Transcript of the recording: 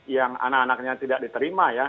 yang anak anaknya tidak diterima ya